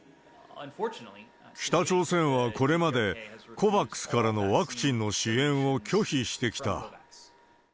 北朝鮮はこれまでＣＯＶＡＸからのワクチンの支援を拒否してきた。